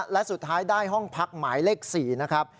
และสุดท้ายได้ห้องพักหมายเลข๔นะครับ